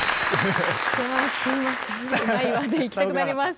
でいきたくなります。